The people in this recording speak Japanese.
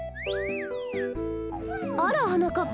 あらはなかっ